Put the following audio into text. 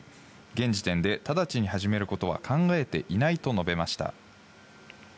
現時点で直ちに始めることは考えていないと述べました。